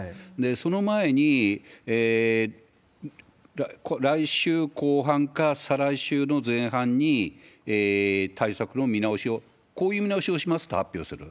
その前に、来週後半か再来週の前半に、対策の見直しを、こういう見直しをしますと発表する。